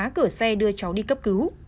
phá cửa xe đưa cháu đi cấp cứu